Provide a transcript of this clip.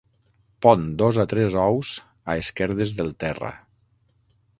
Pon dos a tres ous a esquerdes del terra.